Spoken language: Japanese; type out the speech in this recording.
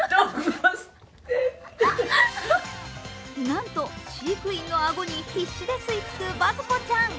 なんと、飼育員のあごに必死で吸いつくバズ子ちゃん。